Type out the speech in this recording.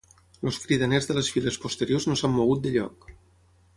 Els cridaners de les files posteriors no s'han mogut de lloc.